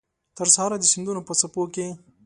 ترسهاره د سیندونو په څپو کې